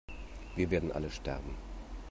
Wir werden alle sterben!